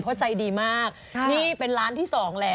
เพราะใจดีมากนี่เป็นร้านที่สองแล้ว